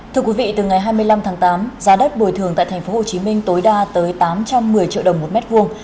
thưa quý vị từ ngày hai mươi năm tháng tám giá đất bồi thường tại thành phố hồ chí minh tối đa tới tám trăm một mươi triệu đồng một mét vuông